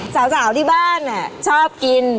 สาวที่บ้านชอบกิน